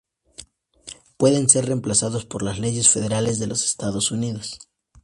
Pueden ser reemplazados por las leyes federales de los Estados Unidos.